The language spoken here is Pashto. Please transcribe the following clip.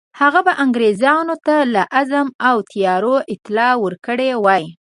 هغه به انګرېزانو ته له عزم او تیاریو اطلاع ورکړې وای.